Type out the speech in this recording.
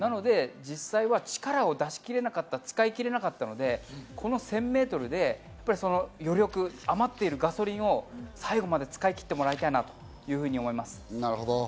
実際は力を出し切れなかった、使い切れなかったので、この１０００メートルで、余力、余っているガソリンを最後まで使い切ってもらいたいなと思います。